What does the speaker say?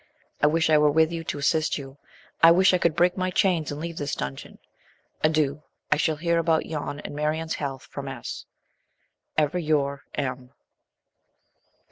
I wish I were with you to assist you. I wish I could break my chains and leave this dungeon. Adieu, I shall hear about you and Marianne's health from S. Ever your M.